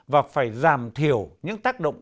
và phải giảm thiểu những tác động